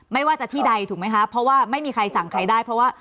ไม่ว่าจะที่ใดถูกไหมคะเพราะว่าไม่มีใครสั่งใครได้เพราะว่า